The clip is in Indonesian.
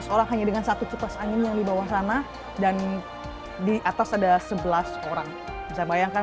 orang hanya dengan satu cupas angin yang di bawah sana dan di atas ada sebelas orang bisa bayangkan